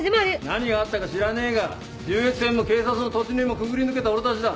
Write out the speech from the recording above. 何があったか知らねえが銃撃戦も警察の突入もくぐり抜けた俺たちだ。